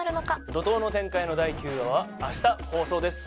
怒濤の展開の第９話はあした放送です。